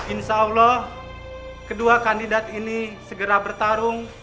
insya allah kedua kandidat ini segera bertarung